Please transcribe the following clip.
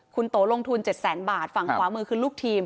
คุณโตลงทุน๗แสนบาทฝั่งขวามือคือลูกทีม